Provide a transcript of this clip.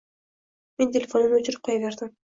Men telefonimni o'chirib qo'yaverdim